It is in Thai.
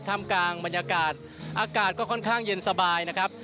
ทำกลางบรรยากาศอากาศก็ค่อนข้างเย็นสบายนะครับ